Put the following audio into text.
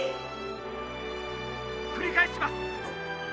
「繰り返します。